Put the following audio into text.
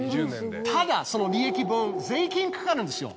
ただその利益分税金かかるんですよ。